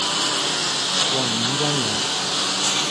晚明官员。